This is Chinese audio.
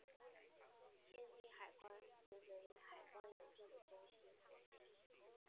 天津海关遂成为海关邮政的中心。